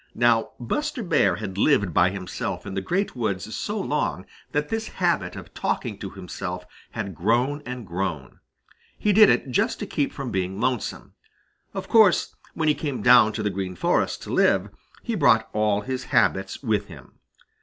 Now Buster Bear had lived by himself in the Great Woods so long that this habit of talking to himself had grown and grown. He did it just to keep from being lonesome. Of course, when he came down to the Green Forest to live, he brought all his habits with him.